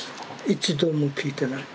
一度も聞いてない。